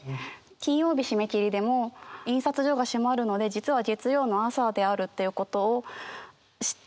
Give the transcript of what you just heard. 金曜日締め切りでも印刷所が閉まるので実は月曜の朝であるということを知っていたりとか。